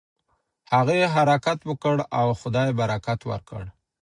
هغې حرکت وکړ او خدای برکت ورکړ.